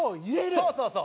そうそうそう。